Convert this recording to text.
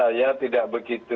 saya tidak begitu